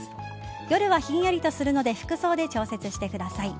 夜はひんやりとするので服装で調節してください。